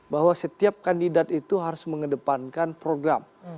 bahwa setiap kandidat itu harus mengedepankan program